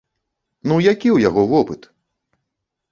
Ну які яго вопыт?!